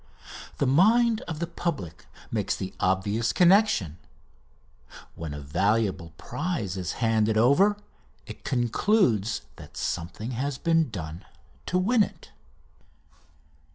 The mind of the public makes the obvious connection. When a valuable prize is handed over it concludes that something has been done to win it.